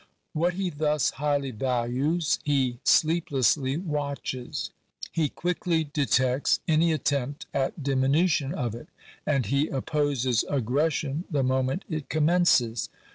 What he thus highly values he sleeplessly watches ; he quickly detects any attempt at diminution of it ; and he opposes aggression the moment it commences.